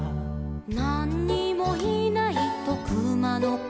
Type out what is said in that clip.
「なんにもいないとくまのこは」